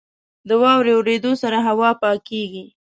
• د واورې اورېدو سره هوا پاکېږي.